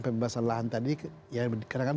pembebasan lahan tadi ya kadang kadang